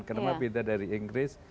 kenapa beda dari inggris